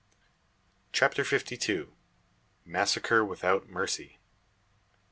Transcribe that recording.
CHAPTER FIFTY TWO. MASSACRE WITHOUT MERCY.